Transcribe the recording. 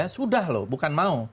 sudah loh bukan mau